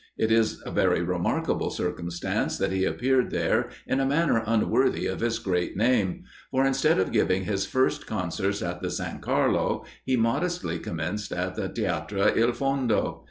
It is a very remarkable circumstance that he appeared there in a manner unworthy of his great name; for, instead of giving his first concerts at the San Carlo, he modestly commenced at the theatre Il Fondo.